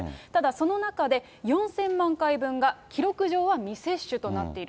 ただ、その中で４０００万回分が記録上は未接種となっている。